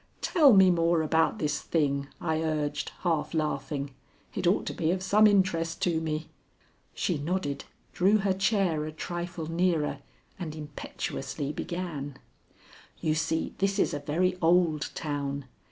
"Tell me more about this thing," I urged, half laughing. "It ought to be of some interest to me." She nodded, drew her chair a trifle nearer, and impetuously began: "You see this is a very old town.